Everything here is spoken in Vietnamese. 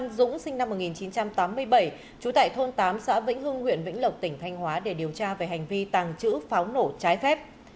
nguyễn dũng dũng sinh năm một nghìn chín trăm tám mươi bảy trú tại thôn tám xã vĩnh hưng huyện vĩnh lộc tỉnh thanh hóa để điều tra về hành vi tàng trữ pháo nổ trái phép